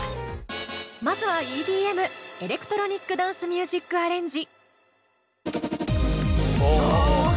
まずはＥＤＭエレクトロニック・ダンス・ミュージックアレンジ。